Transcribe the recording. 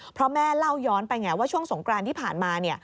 เพราะแม่เล่าย้อนไปไงว่าช่วงสงกรานที่ผ่านมา